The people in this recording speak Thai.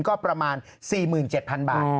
ก็ประมาณ๔๗๐๐บาท